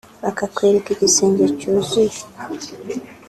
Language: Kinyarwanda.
bakakwereka igisenge cyuzuye